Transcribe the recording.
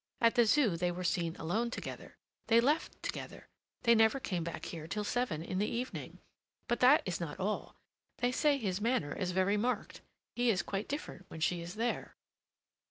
At the Zoo they were seen alone together. They left together. They never came back here till seven in the evening. But that is not all. They say his manner is very marked—he is quite different when she is there."